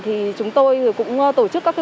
thì chúng tôi cũng tổ chức các